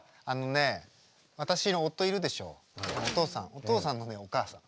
おとうさんのねお母さん。